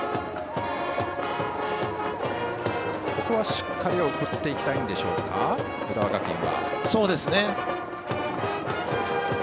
しっかり送っていきたいでしょうか浦和学院は。